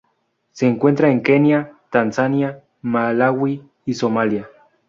Se encuentra en Kenia, Tanzania, Malaui y Somalia.